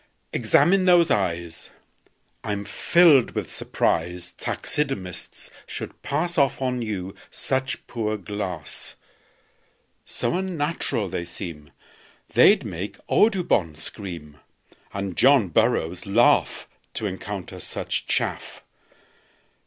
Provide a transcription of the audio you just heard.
"Examine those eyes. I'm filled with surprise Taxidermists should pass Off on you such poor glass; So unnatural they seem They'd make Audubon scream, And John Burroughs laugh To encounter such chaff.